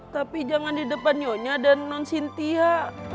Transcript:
tapi jangan di depan nyonya dan non cynthia